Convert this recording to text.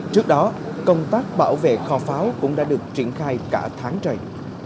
trước đó công tác bảo vệ kho pháo cũng đã được triển khai cả tháng trời